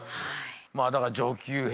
まあだから上級編？